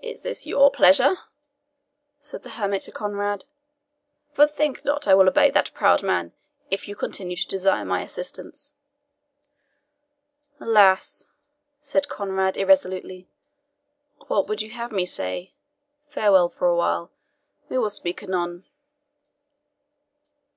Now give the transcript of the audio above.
"Is this YOUR pleasure?" said the hermit to Conrade; "for think not I will obey that proud man, if you continue to desire my assistance." "Alas," said Conrade irresolutely, "what would you have me say? Farewell for a while we will speak anon."